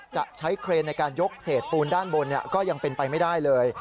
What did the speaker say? จะใช้เครนในการยกเศษปูนด้านบนก็ยังเป็นไปไม่ได้เลย